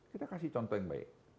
kita kasih contoh yang baik